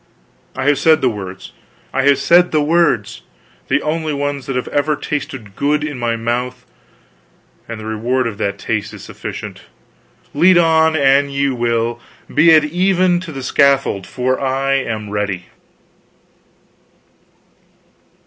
I have said the words, I have said the words! the only ones that have ever tasted good in my mouth, and the reward of that taste is sufficient. Lead on, an ye will, be it even to the scaffold, for I am ready."